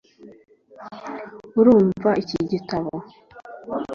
Urumva iki gitabo